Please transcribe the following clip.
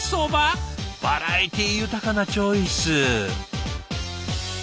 バラエティー豊かなチョイス。